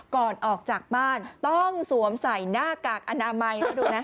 ก่อนออกจากบ้านต้องสวมใส่หน้ากากอนามัยนะดูไหม